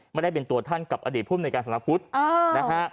ไม่ได้เป็นตัวท่านกับอดีตผู้มนัยการสำนักพุทธ